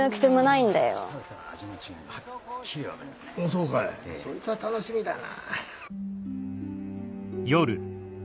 そいつは楽しみだな。